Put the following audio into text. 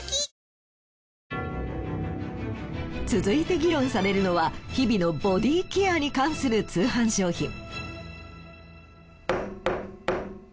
続いて議論されるのは日々のボディケアに関する通販商品。